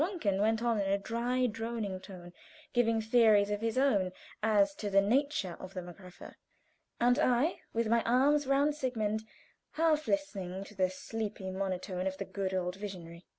Brunken went on in a droning tone, giving theories of his own as to the nature of the Magrepha, and I, with my arms around Sigmund, half listened to the sleepy monotone of the good old visionary.